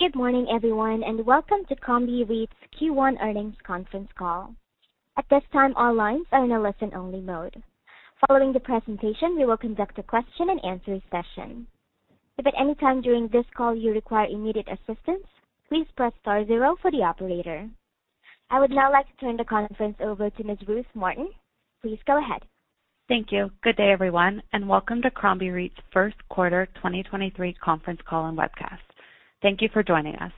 Good morning, everyone, and welcome to Crombie REIT's Q1 earnings conference call. At this time, all lines are in a listen-only mode. Following the presentation, we will conduct a question-and-answer session. If at any time during this call you require immediate assistance, please press star zero for the operator. I would now like to turn the conference over to Ms. Ruth Martin. Please go ahead. Thank you. Good day, everyone, and welcome to Crombie REIT's first quarter 2023 conference call and webcast. Thank you for joining us.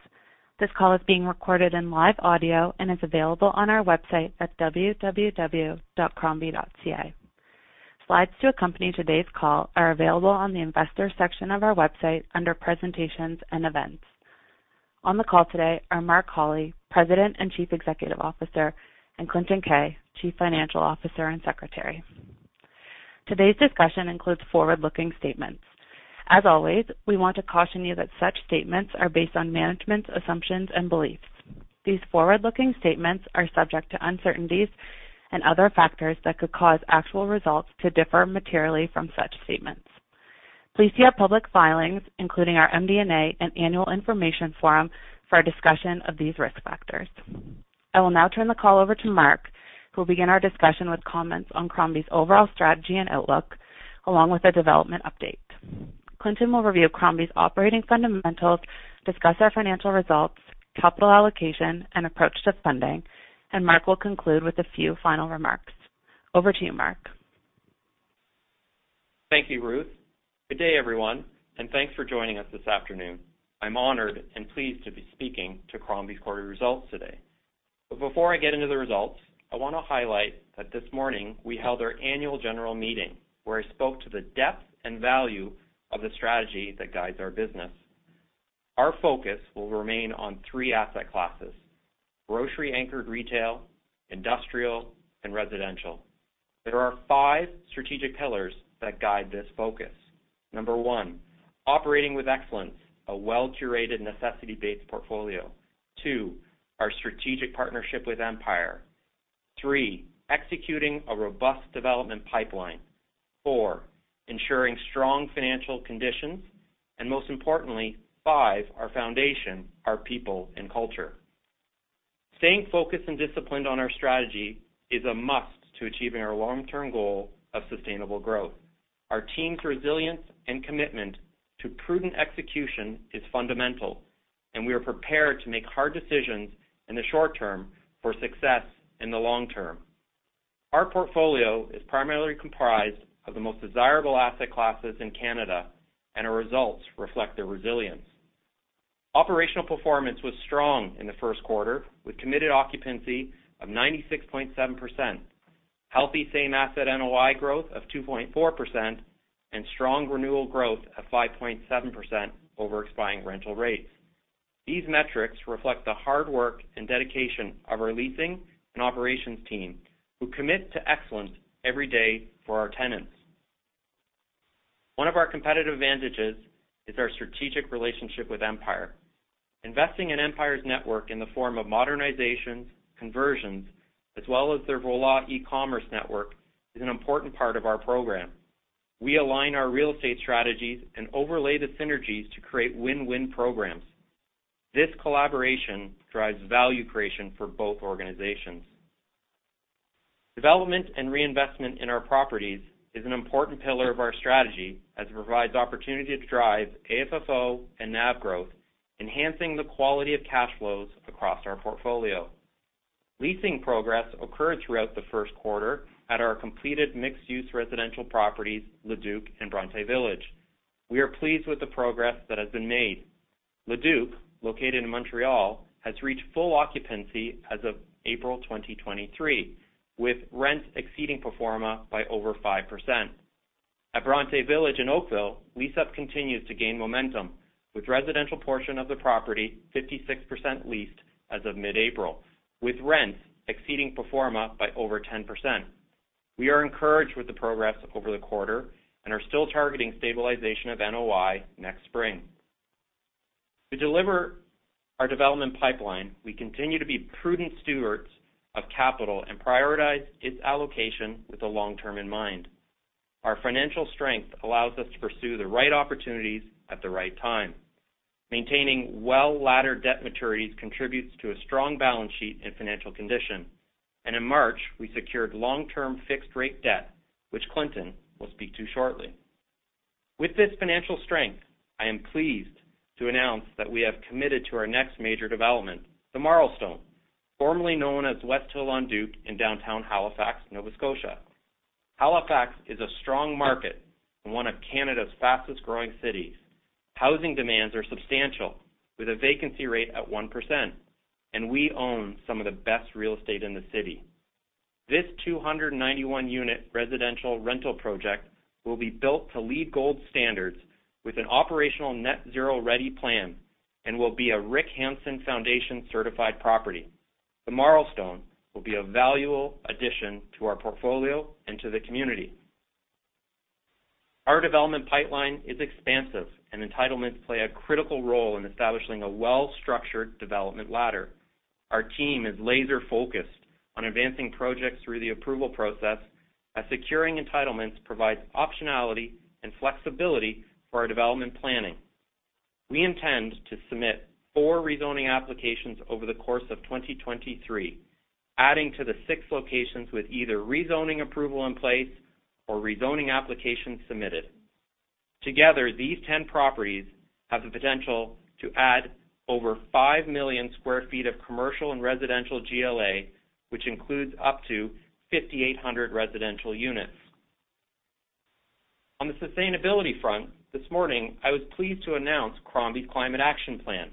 This call is being recorded in live audio and is available on our website at www.crombie.ca. Slides to accompany today's call are available on the Investors section of our website under Presentations and Events. On the call today are Mark Holly, President and Chief Executive Officer, and Clinton Keay, Chief Financial Officer and Secretary. Today's discussion includes forward-looking statements. As always, we want to caution you that such statements are based on management's assumptions and beliefs. These forward-looking statements are subject to uncertainties and other factors that could cause actual results to differ materially from such statements. Please see our public filings, including our MD&A and Annual Information Form, for a discussion of these risk factors. I will now turn the call over to Mark, who will begin our discussion with comments on Crombie's overall strategy and outlook, along with a development update. Clinton will review Crombie's operating fundamentals, discuss our financial results, capital allocation, and approach to funding. Mark will conclude with a few final remarks. Over to you, Mark. Thank you, Ruth. Good day, everyone, thanks for joining us this afternoon. I'm honored and pleased to be speaking to Crombie's quarter results today. Before I get into the results, I want to highlight that this morning we held our annual general meeting, where I spoke to the depth and value of the strategy that guides our business. Our focus will remain on three asset classes, grocery-anchored retail, industrial, and residential. There are five strategic pillars that guide this focus. Number one, operating with excellence, a well-curated necessity-based portfolio. two, our strategic partnership with Empire. three, executing a robust development pipeline. four, ensuring strong financial conditions. Most importantly, five, our foundation, our people and culture. Staying focused and disciplined on our strategy is a must to achieving our long-term goal of sustainable growth. Our team's resilience and commitment to prudent execution is fundamental. We are prepared to make hard decisions in the short term for success in the long term. Our portfolio is primarily comprised of the most desirable asset classes in Canada. Our results reflect their resilience. Operational performance was strong in the first quarter, with committed occupancy of 96.7%, healthy same asset NOI growth of 2.4%. Strong renewal growth of 5.7% over expiring rental rates. These metrics reflect the hard work and dedication of our leasing and operations team, who commit to excellence every day for our tenants. One of our competitive advantages is our strategic relationship with Empire. Investing in Empire's network in the form of modernizations, conversions, as well as their Voilà e-commerce network is an important part of our program. We align our real estate strategies and overlay the synergies to create win-win programs. This collaboration drives value creation for both organizations. Development and reinvestment in our properties is an important pillar of our strategy as it provides opportunity to drive AFFO and NAV growth, enhancing the quality of cash flows across our portfolio. Leasing progress occurred throughout the 1st quarter at our completed mixed-use residential properties, Le Duke and Bronte Village. We are pleased with the progress that has been made. Le Duke, located in Montreal, has reached full occupancy as of April 2023, with rent exceeding pro forma by over 5%. At Bronte Village in Oakville, lease-up continues to gain momentum, with residential portion of the property 56% leased as of mid-April, with rents exceeding pro forma by over 10%. We are encouraged with the progress over the quarter and are still targeting stabilization of NOI next spring. To deliver our development pipeline, we continue to be prudent stewards of capital and prioritize its allocation with the long term in mind. Our financial strength allows us to pursue the right opportunities at the right time. Maintaining well-laddered debt maturities contributes to a strong balance sheet and financial condition. In March, we secured long-term fixed-rate debt, which Clinton Keay will speak to shortly. With this financial strength, I am pleased to announce that we have committed to our next major development, The Marlstone, formerly known as West Hill on Duke in downtown Halifax, Nova Scotia. Halifax is a strong market and one of Canada's fastest-growing cities. Housing demands are substantial, with a vacancy rate at 1%. We own some of the best real estate in the city. This 291-unit residential rental project will be built to LEED Gold standards with an operational net zero-ready plan and will be a Rick Hansen Foundation certified property. The Marlstone will be a valuable addition to our portfolio and to the community. Our development pipeline is expansive. Entitlements play a critical role in establishing a well-structured development ladder. Our team is laser-focused on advancing projects through the approval process as securing entitlements provides optionality and flexibility for our development planning. We intend to submit 4 rezoning applications over the course of 2023, adding to the 6 locations with either rezoning approval in place or rezoning applications submitted. Together, these 10 properties have the potential to add over 5 million sq ft of commercial and residential GLA, which includes up to 5,800 residential units. On the sustainability front, this morning, I was pleased to announce Crombie's Climate Action Plan,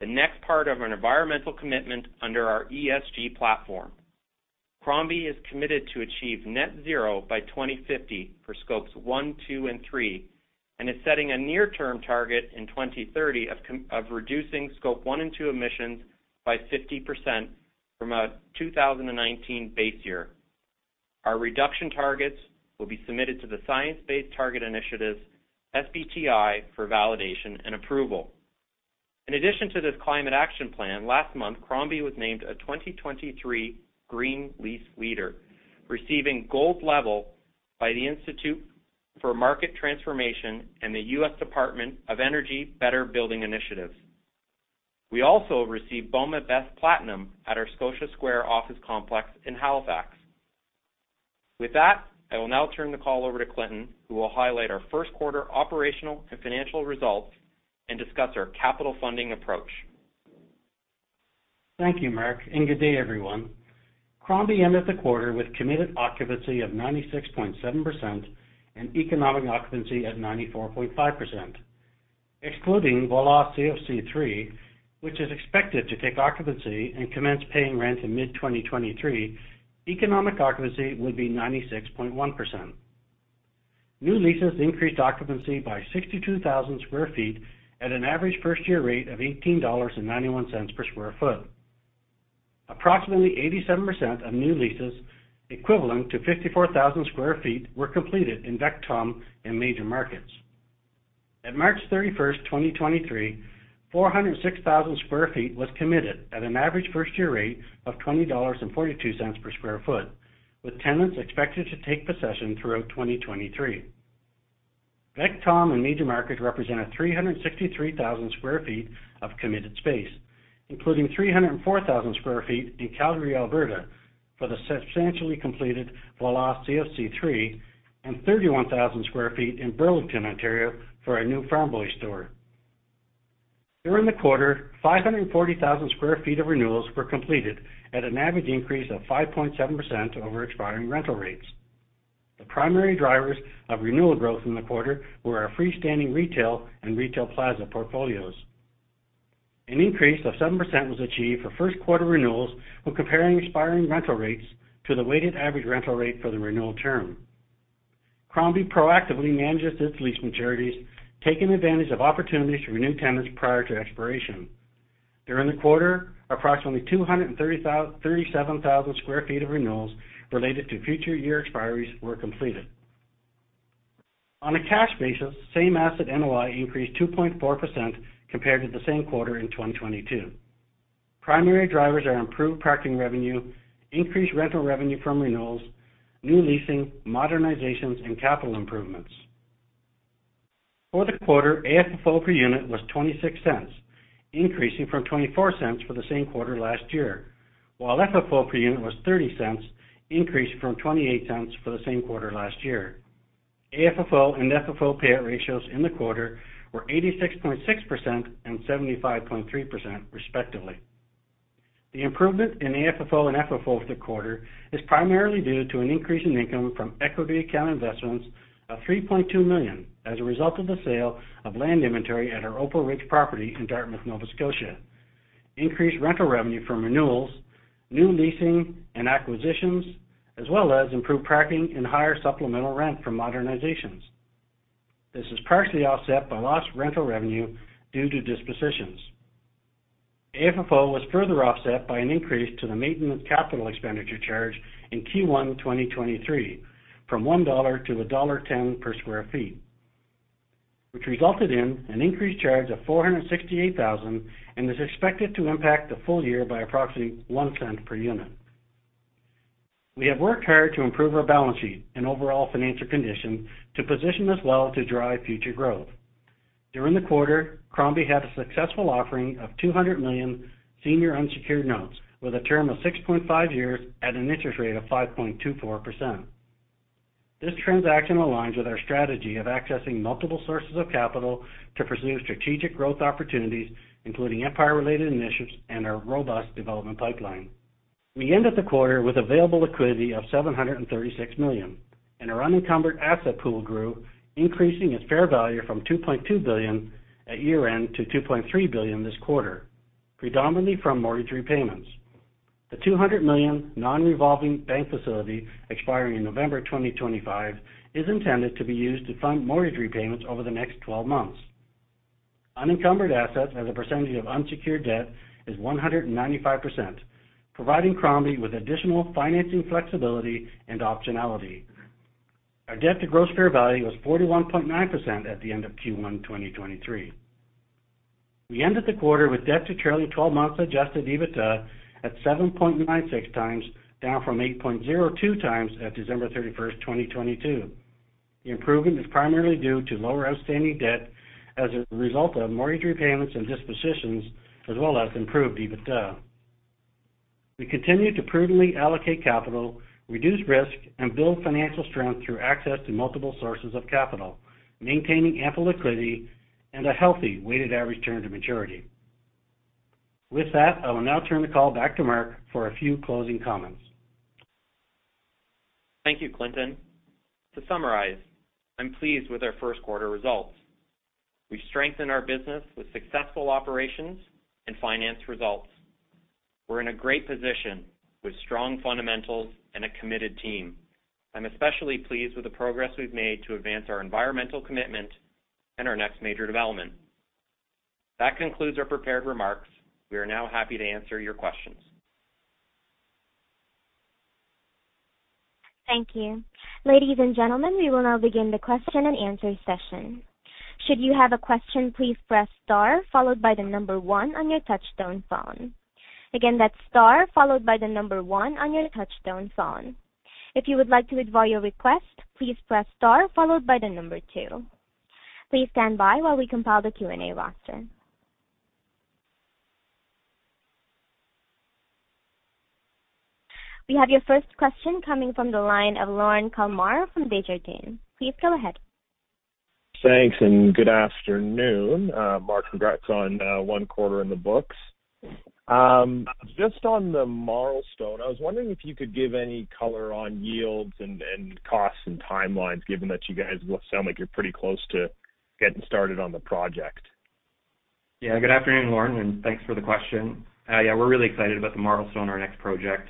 the next part of an environmental commitment under our ESG platform. Crombie is committed to achieve net zero by 2050 for scopes one, two, and three, and is setting a near-term target in 2030 of reducing scope one and two emissions by 50% from a 2019 base year. Our reduction targets will be submitted to the Science Based Targets initiative, SBTI, for validation and approval. In addition to this climate action plan, last month, Crombie was named a 2023 Green Lease Leader, receiving gold level by the Institute for Market Transformation and the U.S. Department of Energy Better Buildings Initiative. We also received BOMA BEST platinum at our Scotia Square office complex in Halifax. With that, I will now turn the call over to Clinton, who will highlight our first quarter operational and financial results and discuss our capital funding approach. Thank you, Mark, and good day, everyone. Crombie ended the quarter with committed occupancy of 96.7% and economic occupancy at 94.5%. Excluding Voilà CFC 3, which is expected to take occupancy and commence paying rent in mid-2023, economic occupancy would be 96.1%. New leases increased occupancy by 62,000 sq ft at an average first-year rate of 18.91 dollars per sq ft. Approximately 87% of new leases, equivalent to 54,000 sq ft, were completed in VECTOM and Major Markets. At March 31, 2023, 406,000 sq ft was committed at an average first-year rate of 20.42 dollars per sq ft, with tenants expected to take possession throughout 2023. VECTOM and Major Markets represent 363,000 sq ft of committed space, including 304,000 sq ft in Calgary, Alberta, for the substantially completed Voilà CFC3, and 31,000 sq ft in Burlington, Ontario, for our new Farm Boy store. During the quarter, 540,000 sq ft of renewals were completed at an average increase of 5.7% over expiring rental rates. The primary drivers of renewal growth in the quarter were our freestanding retail and retail plaza portfolios. An increase of 7% was achieved for first quarter renewals when comparing expiring rental rates to the weighted average rental rate for the renewal term. Crombie proactively manages its lease maturities, taking advantage of opportunities to renew tenants prior to expiration. During the quarter, approximately 237,000 sq ft of renewals related to future year expiries were completed. On a cash basis, same asset NOI increased 2.4% compared to the same quarter in 2022. Primary drivers are improved parking revenue, increased rental revenue from renewals, new leasing, modernizations, and capital improvements. For the quarter, AFFO per unit was 0.26, increasing from 0.24 for the same quarter last year, while FFO per unit was 0.30, increasing from 0.28 for the same quarter last year. AFFO and FFO payout ratios in the quarter were 86.6% and 75.3% respectively. The improvement in AFFO and FFO for the quarter is primarily due to an increase in income from equity account investments of 3.2 million as a result of the sale of land inventory at our Opal Ridge property in Dartmouth, Nova Scotia. Increased rental revenue from renewals, new leasing and acquisitions, as well as improved parking and higher supplemental rent from modernizations. This is partially offset by lost rental revenue due to dispositions. AFFO was further offset by an increase to the maintenance capital expenditure charge in Q1 2023 from 1 dollar to dollar 1.10 per square feet, which resulted in an increased charge of 468,000 and is expected to impact the full year by approximately 0.01 per unit. We have worked hard to improve our balance sheet and overall financial condition to position us well to drive future growth. During the quarter, Crombie had a successful offering of 200 million senior unsecured notes with a term of 6.5 years at an interest rate of 5.24%. This transaction aligns with our strategy of accessing multiple sources of capital to pursue strategic growth opportunities, including Empire-related initiatives and our robust development pipeline. We end at the quarter with available liquidity of 736 million, and our unencumbered asset pool grew, increasing its fair value from 2.2 billion at year-end to 2.3 billion this quarter, predominantly from mortgage repayments. The 200 million non-revolving bank facility expiring in November 2025 is intended to be used to fund mortgage repayments over the next 12 months. Unencumbered assets as a percentage of unsecured debt is 195%, providing Crombie with additional financing flexibility and optionality. Our debt to gross fair value was 41.9% at the end of Q1 2023. We ended the quarter with debt to trailing 12 months adjusted EBITDA at 7.96 times, down from 8.02 times at December 31, 2023. The improvement is primarily due to lower outstanding debt as a result of mortgage repayments and dispositions, as well as improved EBITDA. We continue to prudently allocate capital, reduce risk, and build financial strength through access to multiple sources of capital, maintaining ample liquidity and a healthy weighted average term to maturity. With that, I will now turn the call back to Mark for a few closing comments. Thank you, Clinton. To summarize, I'm pleased with our 1st quarter results. We've strengthened our business with successful operations and finance results. We're in a great position with strong fundamentals and a committed team. I'm especially pleased with the progress we've made to advance our environmental commitment and our next major development. That concludes our prepared remarks. We are now happy to answer your questions. Thank you. Ladies and gentlemen, we will now begin the question and answer session. Should you have a question, please press star followed by the number one on your touchtone phone. Again, that's star followed by the number one on your touchtone phone. If you would like to withdraw your request, please press star followed by the number two. Please stand by while we compile the Q&A roster. We have your first question coming from the line of Lorne Kalmar from Desjardins. Please go ahead. Thanks and good afternoon. Mark, congrats on one quarter in the books. Just on The Marlstone, I was wondering if you could give any color on yields and costs and timelines, given that you guys will sound like you're pretty close to getting started on the project. Yeah, good afternoon, Lorne, and thanks for the question. Yeah, we're really excited about The Marlstone, our next project.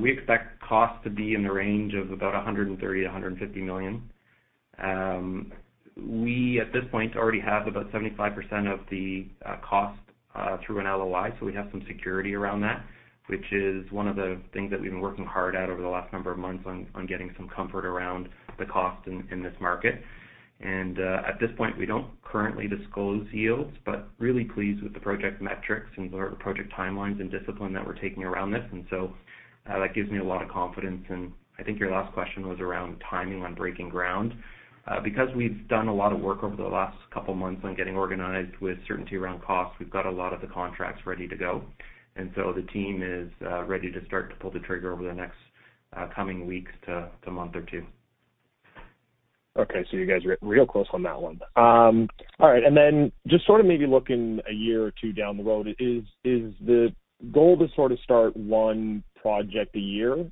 We expect costs to be in the range of about 130 million-150 million. We, at this point, already have about 75% of the cost through an LOI, so we have some security around that, which is one of the things that we've been working hard at over the last number of months on getting some comfort around the cost in this market. At this point, we don't currently disclose yields, but really pleased with the project metrics and the project timelines and discipline that we're taking around this. That gives me a lot of confidence. I think your last question was around timing on breaking ground. Because we've done a lot of work over the last couple months on getting organized with certainty around costs, we've got a lot of the contracts ready to go. The team is ready to start to pull the trigger over the next coming weeks to a month or two. Okay. You guys are real close on that one. All right. Just sort of maybe looking a year or two down the road, is the goal to sort of start one project a year?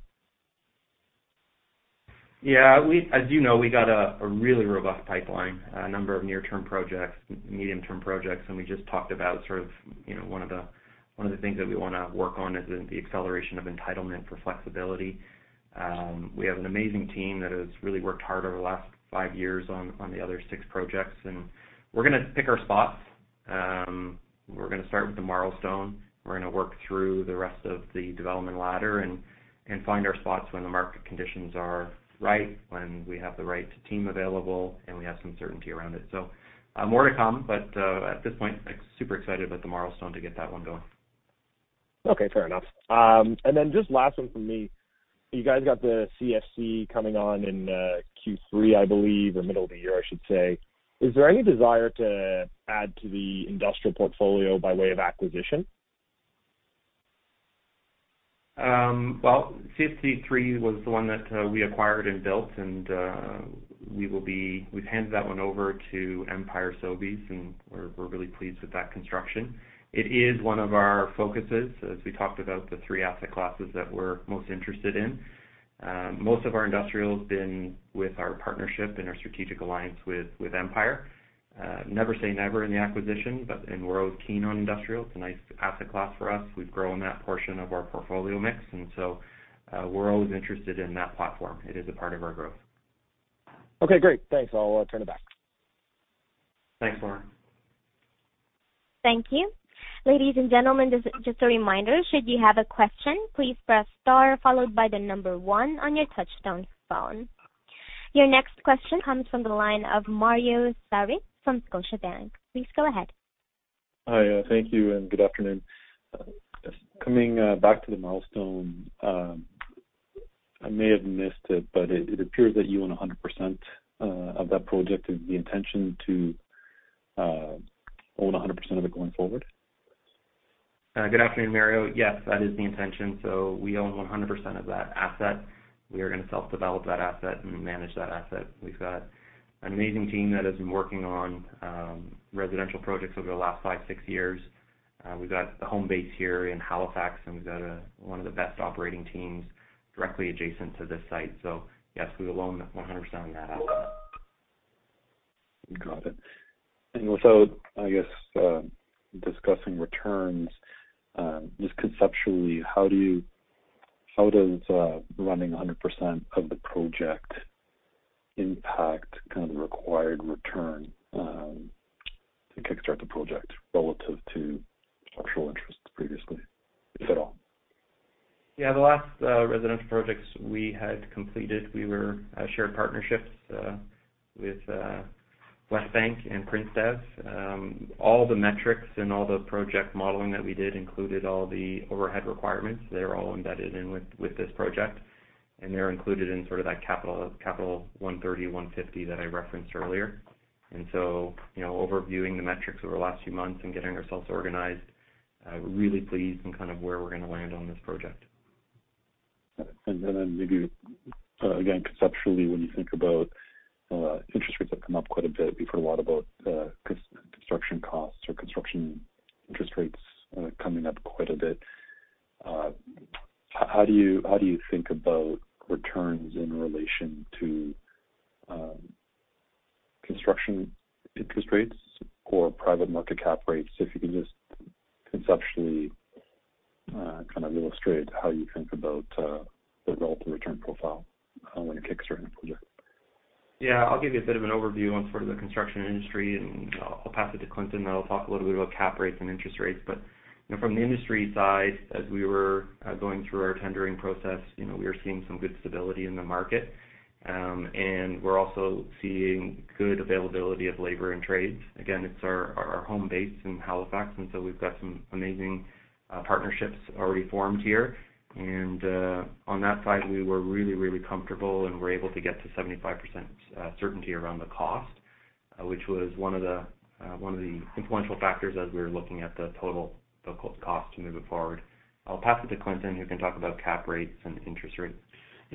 Yeah. As you know, we got a really robust pipeline, a number of near-term projects, medium-term projects. We just talked about sort of, you know, one of the, one of the things that we wanna work on is the acceleration of entitlement for flexibility. We have an amazing team that has really worked hard over the last five years on the other six projects. We're gonna pick our spots. We're gonna start with The Marlstone. We're gonna work through the rest of the development ladder and find our spots when the market conditions are right, when we have the right team available, and we have some certainty around it. More to come, but, at this point, like, super excited about The Marlstone to get that one going. Okay. Fair enough. Just last one from me. You guys got the CFC coming on in Q3, I believe, or middle of the year, I should say. Is there any desire to add to the industrial portfolio by way of acquisition? Well, CFC 3 was the one that we acquired and built. We've handed that one over to Empire Sobeys, and we're really pleased with that construction. It is one of our focuses as we talked about the three asset classes that we're most interested in. Most of our industrial has been with our partnership and our strategic alliance with Empire. Never say never in the acquisition. We're always keen on industrial. It's a nice asset class for us. We've grown that portion of our portfolio mix. We're always interested in that platform. It is a part of our growth. Okay, great. Thanks. I'll turn it back. Thanks, Lorne. Thank you. Ladies and gentlemen, just a reminder, should you have a question, please press star followed by the number one on your touchtone phone. Your next question comes from the line of Mario Saric from Scotiabank. Please go ahead. Hi. Thank you and good afternoon. Coming back to The Marlstone, I may have missed it, but it appears that you own 100% of that project. Is the intention to own 100% of it going forward? Good afternoon, Mario. Yes, that is the intention. We own 100% of that asset. We are gonna self-develop that asset and manage that asset. We've got an amazing team that has been working on residential projects over the last five, six years. We've got a home base here in Halifax, and we've got one of the best operating teams directly adjacent to this site. Yes, we will own 100% of that asset. Got it. Without, I guess, discussing returns, just conceptually, how does running 100% of the project impact kind of the required return, to kickstart the project relative to structural interest previously, if at all? Yeah, the last residential projects we had completed, we were shared partnerships with Westbank and PrinceDev. All the metrics and all the project modeling that we did included all the overhead requirements. They're all embedded in with this project, and they're included in sort of that capital, 130, 150 that I referenced earlier. You know, overviewing the metrics over the last few months and getting ourselves organized, really pleased in kind of where we're gonna land on this project. Then maybe, again, conceptually, when you think about interest rates have come up quite a bit. We've heard a lot about construction costs or construction interest rates coming up quite a bit. How do you think about returns in relation to construction interest rates or private market cap rates? If you can just conceptually, kind of illustrate how you think about the relative return profile when it kicks in for you. I'll give you a bit of an overview on sort of the construction industry, and I'll pass it to Clinton, and he'll talk a little bit about cap rates and interest rates. You know, from the industry side, as we were going through our tendering process, you know, we are seeing some good stability in the market, and we're also seeing good availability of labor and trades. Again, it's our home base in Halifax, and so we've got some amazing partnerships already formed here. On that side, we were really comfortable and were able to get to 75% certainty around the cost, which was one of the influential factors as we were looking at the total cost to move it forward. I'll pass it to Clinton, who can talk about cap rates and interest rates.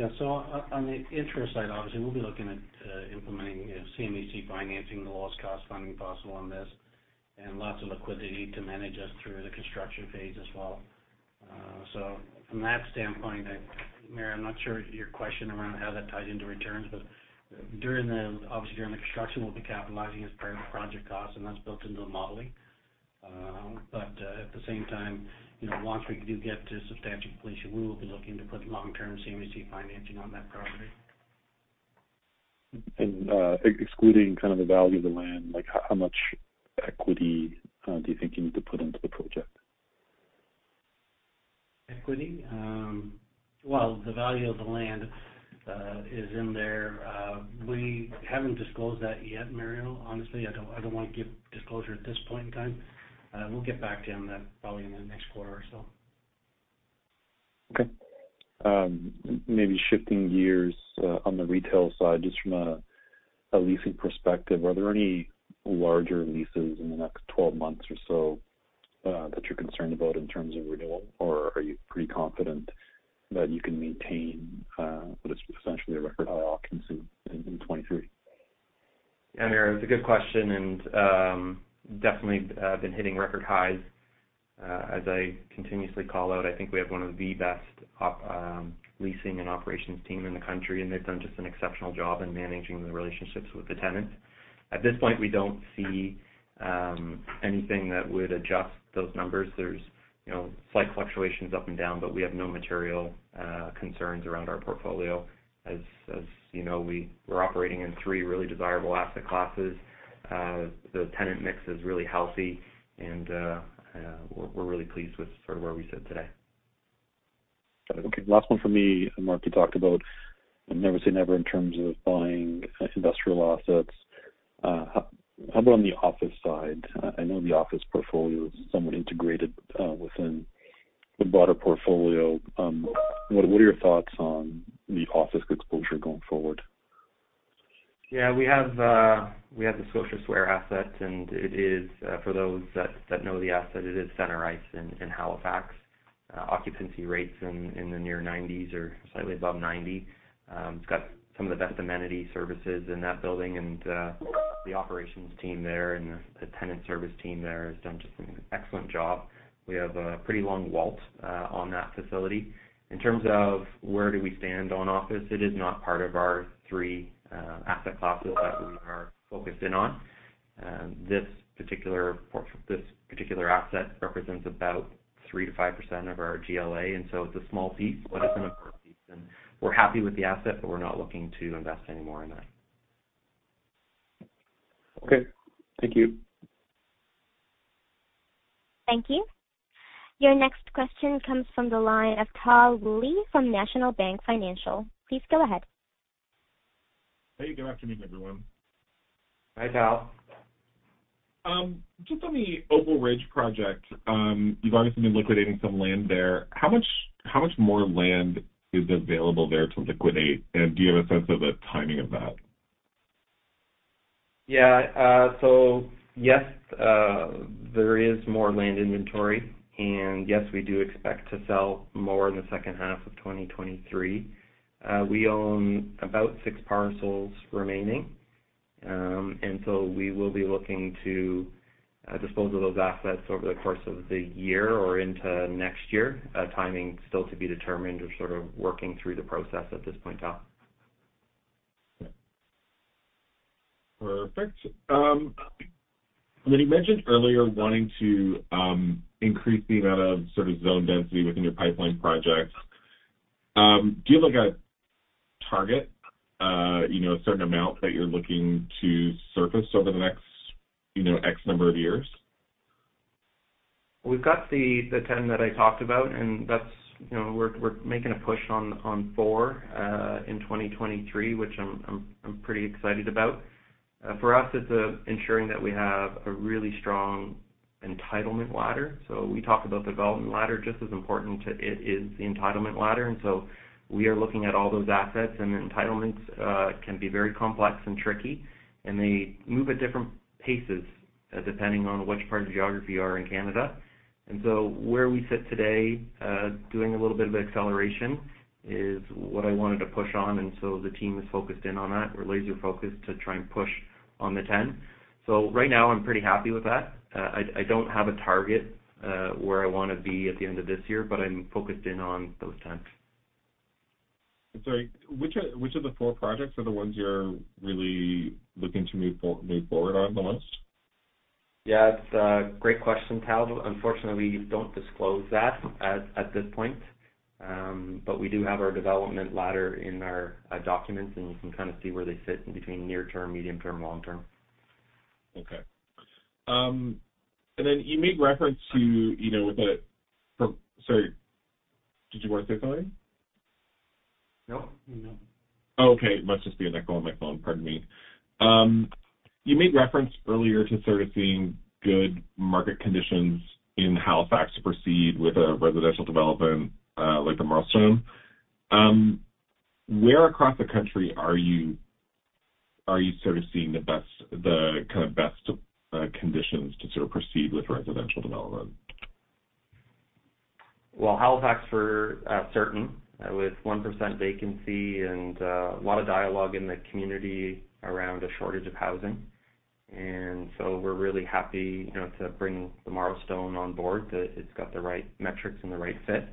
On the interest side, obviously, we'll be looking at implementing CMHC financing, the lowest cost funding possible on this, and lots of liquidity to manage us through the construction phase as well. From that standpoint, Mari, I'm not sure your question around how that ties into returns. Obviously, during the construction, we'll be capitalizing as per the project cost, and that's built into the modeling. At the same time, you know, once we do get to substantial completion, we will be looking to put long-term CMHC financing on that property. Excluding kind of the value of the land, like how much equity, do you think you need to put into the project? Equity? Well, the value of the land, is in there. We haven't disclosed that yet, Mario. Honestly, I don't wanna give disclosure at this point in time. We'll get back to you on that probably in the next quarter or so. Okay. Maybe shifting gears on the retail side, just from a leasing perspective, are there any larger leases in the next 12 months or so that you're concerned about in terms of renewal? Or are you pretty confident that you can maintain what is essentially a record high occupancy in 2023? Yeah, Mario, it's a good question. Definitely been hitting record highs. As I continuously call out, I think we have one of the best leasing and operations team in the country, and they've done just an exceptional job in managing the relationships with the tenants. At this point, we don't see anything that would adjust those numbers. There's, you know, slight fluctuations up and down, but we have no material concerns around our portfolio. As you know, we're operating in three really desirable asset classes. The tenant mix is really healthy, and we're really pleased with sort of where we sit today. Okay. Last one for me. Mark, you talked about never say never in terms of buying industrial assets. How about on the office side? I know the office portfolio is somewhat integrated, within the broader portfolio. What are your thoughts on the office exposure going forward? We have the Scotia Square asset, and it is for those that know the asset, it is center ice in Halifax. Occupancy rates in the near 90s or slightly above 90. It's got some of the best amenity services in that building, and the operations team there and the tenant service team there has done just an excellent job. We have a pretty long WALT on that facility. In terms of where do we stand on office, it is not part of our three asset classes that we are focused in on. This particular asset represents about 3%-5% of our GLA. It's a small piece, but it's an important piece, and we're happy with the asset, but we're not looking to invest any more in that. Okay. Thank you. Thank you. Your next question comes from the line of Tal Woolley from National Bank Financial. Please go ahead. Hey, good afternoon, everyone. Hi, Tal. Just on the Opal Ridge project, you've obviously been liquidating some land there. How much more land is available there to liquidate? Do you have a sense of the timing of that? Yeah. Yes, there is more land inventory, and yes, we do expect to sell more in the second half of 2023. We own about six parcels remaining. We will be looking to dispose of those assets over the course of the year or into next year. Timing still to be determined. We're sort of working through the process at this point, Tal. Perfect. You mentioned earlier wanting to increase the amount of sort of zone density within your pipeline projects. Do you Target, you know, a certain amount that you're looking to surface over the next, you know, X number of years? We've got the 10 that I talked about, you know, we're making a push on four in 2023, which I'm pretty excited about. For us, it's ensuring that we have a really strong entitlement ladder. We talk about the development ladder, just as important to it is the entitlement ladder. We are looking at all those assets, and entitlements can be very complex and tricky, and they move at different paces, depending on which part of the geography you are in Canada. Where we sit today, doing a little bit of acceleration is what I wanted to push on, the team is focused in on that. We're laser-focused to try and push on the 10. Right now, I'm pretty happy with that. I don't have a target, where I wanna be at the end of this year, but I'm focused in on those 10. Sorry. Which of the four projects are the ones you're really looking to move forward on the list? Yeah. It's a great question, Tal. Unfortunately, we don't disclose that at this point. We do have our development ladder in our documents, and you can kinda see where they fit in between near term, medium term, long term. Okay. You made reference to, you know. Sorry. Did you wanna say something? No. No. Okay. It must just be an echo on my phone. Pardon me. You made reference earlier to sort of seeing good market conditions in Halifax to proceed with a residential development, like The Marlstone. Where across the country are you sort of seeing the best conditions to sort of proceed with residential development? Well, Halifax for certain, with 1% vacancy and a lot of dialogue in the community around a shortage of housing. We're really happy, you know, to bring The Marlstone on board. It's got the right metrics and the right fit.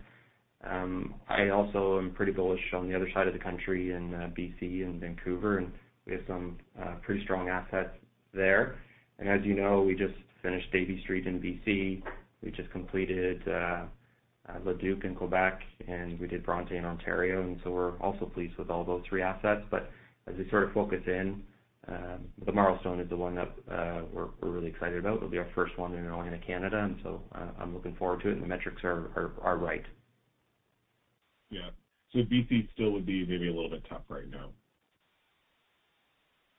I also am pretty bullish on the other side of the country in BC and Vancouver, we have some pretty strong assets there. As you know, we just finished Davie Street in BC. We just completed Le Duke in Quebec, we did Bronte in Ontario, we're also pleased with all those 3 assets. As we sort of focus in, The Marlstone is the one that we're really excited about. It'll be our first one in Atlantic Canada, and so I'm looking forward to it, and the metrics are right. Yeah. BC still would be maybe a little bit tough right now.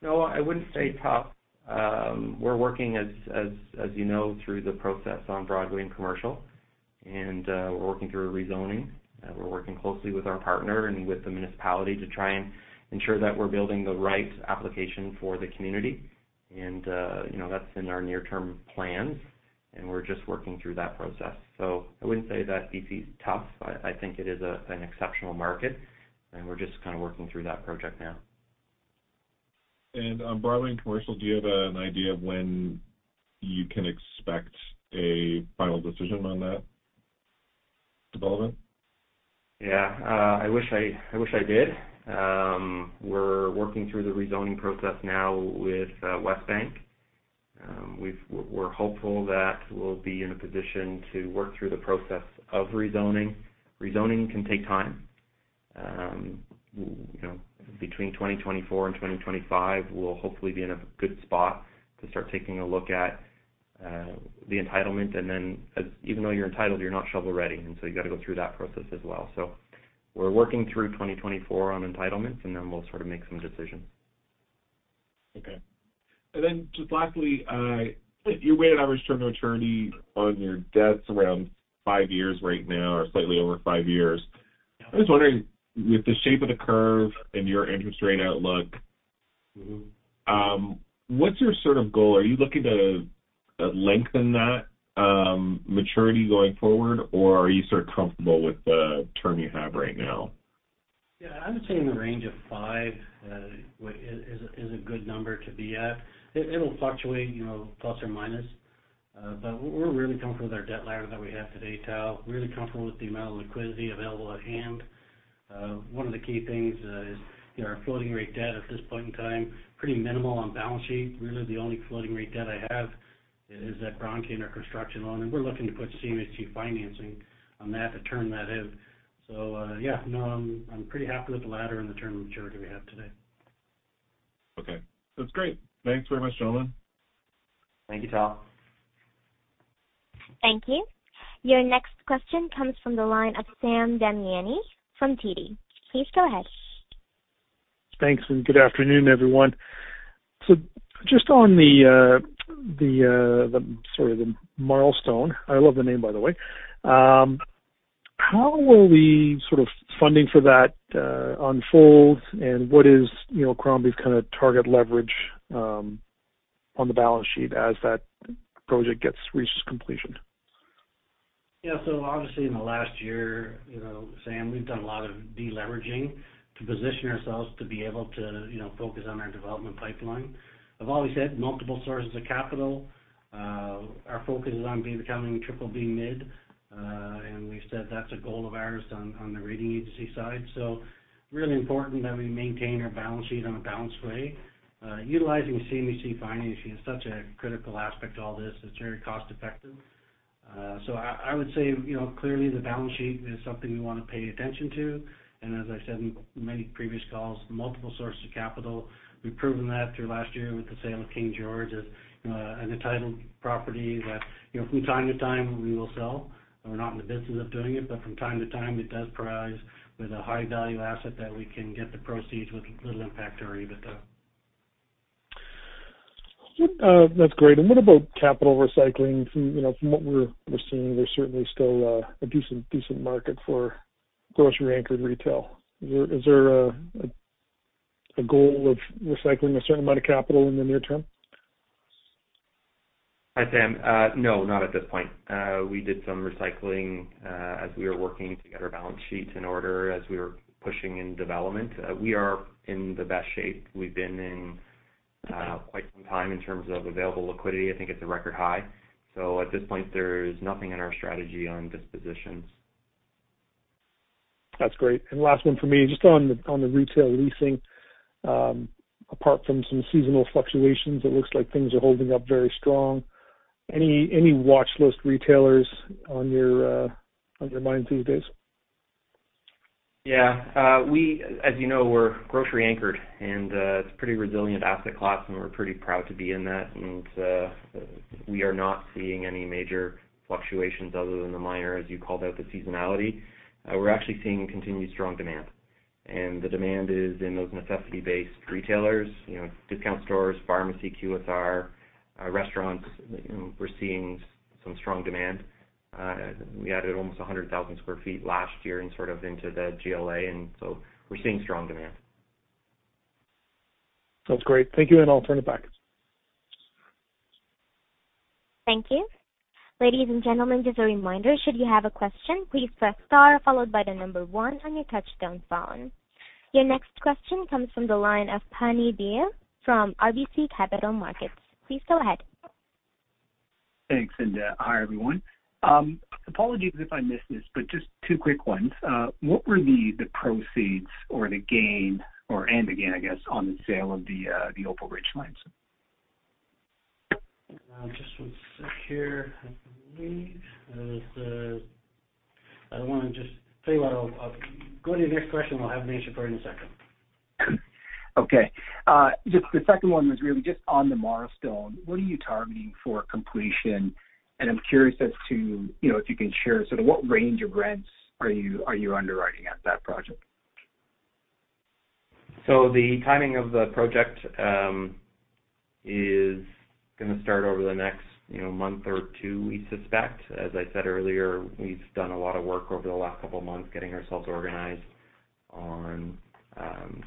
No, I wouldn't say tough. We're working, as you know, through the process on Broadway and Commercial. We're working through a rezoning. We're working closely with our partner and with the municipality to try and ensure that we're building the right application for the community. You know, that's in our near-term plans, and we're just working through that process. I wouldn't say that BC is tough. I think it is an exceptional market, and we're just kinda working through that project now. On Broadway and Commercial, do you have an idea of when you can expect a final decision on that development? Yeah. I wish I did. We're working through the rezoning process now with Westbank. We're hopeful that we'll be in a position to work through the process of rezoning. Rezoning can take time. You know, between 2024 and 2025, we'll hopefully be in a good spot to start taking a look at the entitlement. Even though you're entitled, you're not shovel-ready, you gotta go through that process as well. We're working through 2024 on entitlements, we'll sort of make some decisions. Okay. Then just lastly, your weighted average term to maturity on your debt's around 5 years right now or slightly over 5 years. I'm just wondering, with the shape of the curve and your interest rate outlook- Mm-hmm What's your sort of goal? Are you looking to lengthen that maturity going forward, or are you sort of comfortable with the term you have right now? Yeah. I would say in the range of five is a good number to be at. It'll fluctuate, you know, plus or minus. We're really comfortable with our debt ladder that we have today, Tal. Really comfortable with the amount of liquidity available at hand. One of the key things is, you know, our floating rate debt at this point in time, pretty minimal on balance sheet. Really, the only floating rate debt I have is at Bronte in our construction loan, and we're looking to put CMHC financing on that to turn that in. Yeah, no, I'm pretty happy with the ladder and the term of maturity we have today. Okay. That's great. Thanks very much, gentlemen. Thank you, Tal. Thank you. Your next question comes from the line of Sam Damiani from TD. Please go ahead. Thanks. Good afternoon, everyone. Just on the sort of The Marlstone, I love the name, by the way. How will the sort of funding for that unfold, and what is, you know, Crombie's kinda target leverage on the balance sheet as that project reaches completion? Yeah. Obviously, in the last year, you know, Sam, we've done a lot of deleveraging to position ourselves to be able to, you know, focus on our development pipeline. I've always had multiple sources of capital. Our focus is on being, becoming BBB mid, and we've said that's a goal of ours on the rating agency side. Really important that we maintain our balance sheet in a balanced way. Utilizing CMHC financing is such a critical aspect to all this. It's very cost-effective. I would say, you know, clearly the balance sheet is something we wanna pay attention to. As I said in many previous calls, multiple sources of capital. We've proven that through last year with the sale of King George as, you know, an entitled property that, you know, from time to time we will sell. We're not in the business of doing it, but from time to time, it does provide with a high value asset that we can get the proceeds with little impact or even better. Good. That's great. What about capital recycling? From, you know, from what we're seeing, there's certainly still a decent market for grocery anchored retail. Is there a goal of recycling a certain amount of capital in the near term? Hi, Sam. No, not at this point. We did some recycling as we were working to get our balance sheets in order as we were pushing in development. We are in the best shape we've been in quite some time in terms of available liquidity. I think it's a record high. At this point, there's nothing in our strategy on dispositions. That's great. Last one for me, just on the, on the retail leasing, apart from some seasonal fluctuations, it looks like things are holding up very strong. Any watchlist retailers on your mind these days? As you know, we're grocery anchored, and it's pretty resilient asset class, and we're pretty proud to be in that. We are not seeing any major fluctuations other than the minor, as you called out, the seasonality. We're actually seeing continued strong demand. The demand is in those necessity-based retailers, you know, discount stores, pharmacy, QSR, restaurants. You know, we're seeing some strong demand. We added almost 100,000 sq ft last year in sort of into the GLA, and so we're seeing strong demand. That's great. Thank you, and I'll turn it back. Thank you. Ladies and gentlemen, just a reminder, should you have a question, please press star followed by the number one on your touchtone phone. Your next question comes from the line of Pammi Bir from RBC Capital Markets. Please go ahead. Thanks. Hi, everyone. Apologies if I missed this, but just two quick ones. What were the proceeds or the gain, I guess, on the sale of the Opal Ridge lands? just one sec here. I'll go to your next question. I'll have Nature for you in a second. Okay. Just the second one was really just on The Marlstone. What are you targeting for completion? I'm curious as to, you know, if you can share sort of what range of rents are you underwriting at that project? The timing of the project is going to start over the next, you know, month or two, we suspect. As I said earlier, we've done a lot of work over the last couple of months getting ourselves organized on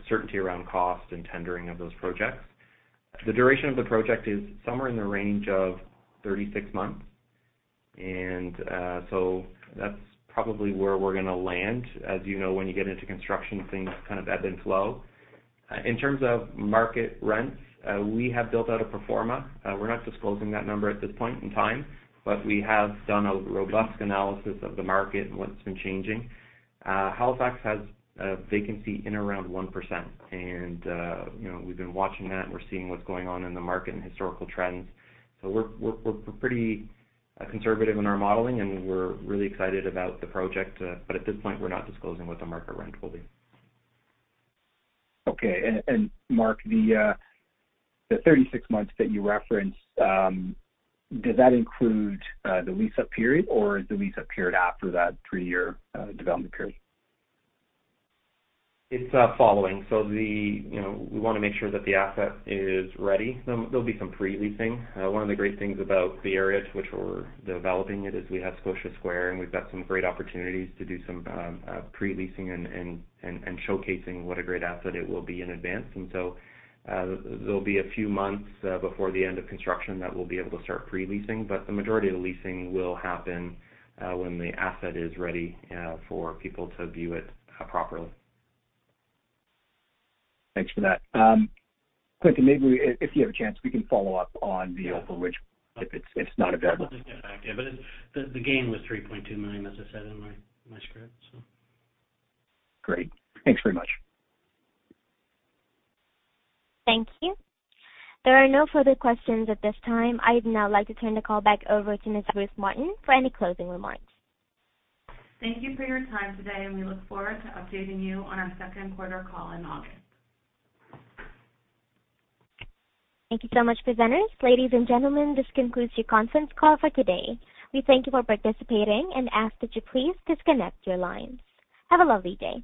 certainty around cost and tendering of those projects. The duration of the project is somewhere in the range of 36 months. That's probably where we're going to land. As you know, when you get into construction, things kind of ebb and flow. In terms of market rents, we have built out a pro forma. We're not disclosing that number at this point in time, but we have done a robust analysis of the market and what's been changing. Halifax has a vacancy in around 1%, and, you know, we've been watching that, and we're seeing what's going on in the market and historical trends. We're pretty conservative in our modeling, and we're really excited about the project. At this point, we're not disclosing what the market rent will be. Okay. Mark, the 36 months that you referenced, does that include the lease-up period, or is the lease-up period after that 3-year development period? It's following. You know, we wanna make sure that the asset is ready. There'll be some pre-leasing. One of the great things about the areas which we're developing it is we have Scotia Square, and we've got some great opportunities to do some pre-leasing and showcasing what a great asset it will be in advance. There'll be a few months before the end of construction that we'll be able to start pre-leasing. The majority of the leasing will happen when the asset is ready for people to view it properly. Thanks for that. Clinton, maybe if you have a chance, we can follow up on the Opal Ridge, if it's, if it's not available. I'll just get back to you. The gain was 3.2 million, as I said in my script, so. Great. Thanks very much. Thank you. There are no further questions at this time. I'd now like to turn the call back over to Ms. Ruth Martin for any closing remarks. Thank you for your time today, and we look forward to updating you on our second quarter call in August. Thank you so much, presenters. Ladies and gentlemen, this concludes your conference call for today. We thank you for participating and ask that you please disconnect your lines. Have a lovely day.